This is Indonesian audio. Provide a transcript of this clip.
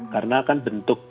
karena kan bentuk